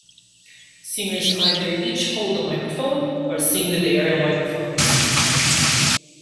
Singers either each hold a microphone or sing with area microphones.